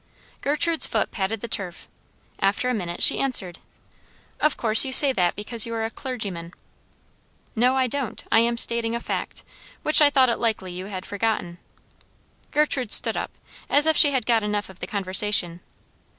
'" Gertrude's foot patted the turf; after a minute she answered, "Of course you say that because you are a clergyman." "No, I don't. I am stating a fact, which I thought it likely you had forgotten." Gertrude stood up, as if she had got enough of the conversation.